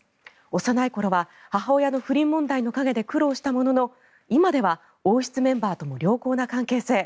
幼い頃は母親の不倫問題の陰で苦労したものの今では王室メンバーとも良好な関係性。